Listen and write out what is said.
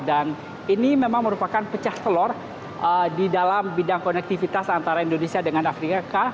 ini memang merupakan pecah telur di dalam bidang konektivitas antara indonesia dengan afrika